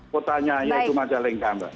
kota nya yogyamaja lengkang